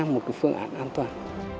một phương án an toàn